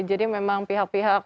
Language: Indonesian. jadi memang pihak pihak